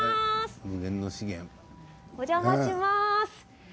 お邪魔します。